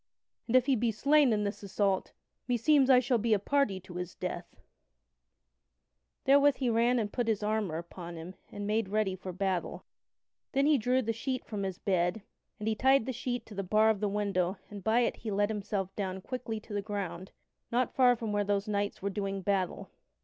And if he be slain in this assault, meseems I shall be a party to his death." [Sidenote: Sir Launcelot goeth to the rescue of the knight assaulted] Therewith he ran and put his armor upon him, and made ready for battle. Then he drew the sheet from his bed, and he tied the sheet to the bar of the window and by it he let himself quickly down to the ground not far from where those knights were doing battle.